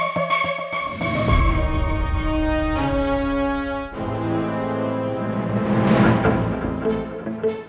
buru buru amat sih